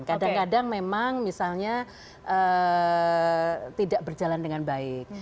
kadang kadang memang misalnya tidak berjalan dengan baik